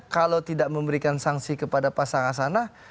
kalau tidak memberikan sanksi kepada pasangan sana